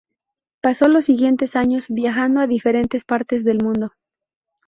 Pasó los siguientes años viajando a diferentes partes del mundo.